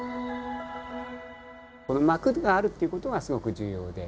この膜があるっていう事がすごく重要で。